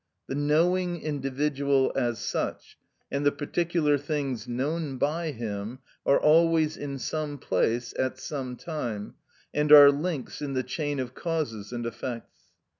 The knowing individual as such, and the particular things known by him, are always in some place, at some time, and are links in the chain of causes and effects.